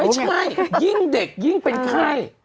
ไม่ใช่ยิ่งเด็กยิ่งเป็นใคร